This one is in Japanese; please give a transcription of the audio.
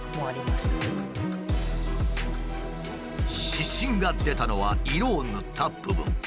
湿疹が出たのは色を塗った部分。